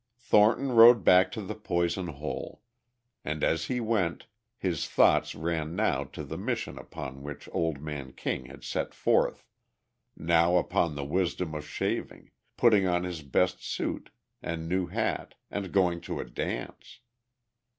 Thornton rode back to the Poison Hole. And as he went, his thoughts ran now to the mission upon which old man King had set forth, now upon the wisdom of shaving, putting on his best suit and new hat and going to a dance....